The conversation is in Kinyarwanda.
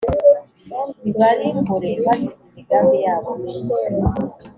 ibarimbure bazize imigambi yabo mibi.